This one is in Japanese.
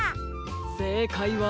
せいかいは。